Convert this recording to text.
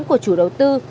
của chủ đầu tư